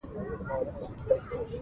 زه ترمینل ته داخل شوم.